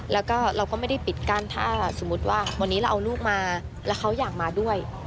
แล้วก็เราก็ไม่ได้ปิดกั้นถ้าสมมุติว่าวันนี้เราเอาลูกมาแล้วเขาอยากมาด้วย